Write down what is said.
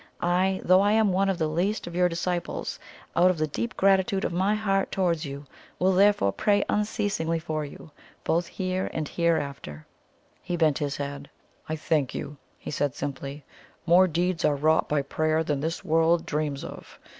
I, though I am one of the least of your disciples, out of the deep gratitude of my heart towards you, will therefore pray unceasingly for you, both here and hereafter." He bent his head. "I thank you!" he said simply. "More deeds are wrought by prayer than this world dreams of!